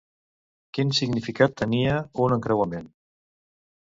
Quin significat tenia un encreuament?